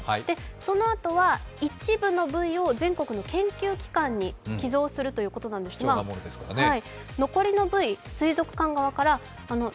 そのあとは一部の部位を全国の研究機関に寄贈するということなんですが残りの部位、水族館側から「ＴＨＥＴＩＭＥ，」